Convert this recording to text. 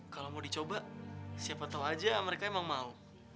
kalo mau dicoba siapa tau aja mereka emang mau